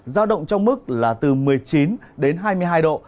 giao động trong mức là từ một mươi chín đến hai mươi hai độ